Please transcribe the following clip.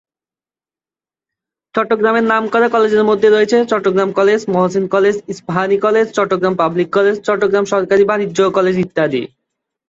চট্টগ্রামের নামকরা কলেজের মধ্যে রয়েছে, Chattogram college, Mohsin college, Ispahani college, Chattogram public college, Chattogram সরকারি বাণিজ্য কলেজ ইত্যাদি।